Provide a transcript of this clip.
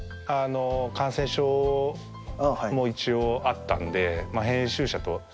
感染症も一応あったんで編集者と。